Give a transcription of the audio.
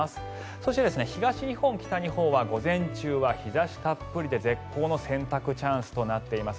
そして東日本、北日本は午前中は日差したっぷりで絶好の洗濯チャンスとなっています。